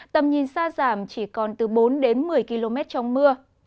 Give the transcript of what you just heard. tầm nhìn xa giảm chỉ còn từ bốn đến một mươi km trong mưa